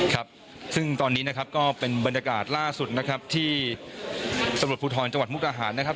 ครับซึ่งตอนนี้นะครับก็เป็นบรรยากาศล่าสุดนะครับที่ตำรวจภูทรจังหวัดมุกดาหารนะครับ